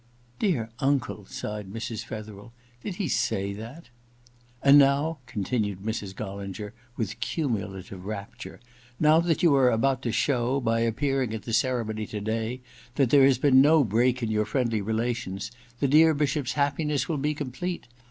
* Dear uncle !' sighed Mrs. Fetherel. * Did he say that ?'* And now,' continued Mrs, Gollinger, with cumulative rapture — *now that you are about to show, by appearing at the ceremony to day, that there has been no break in your friendly relations, the dear Bishop's happiness will be complete.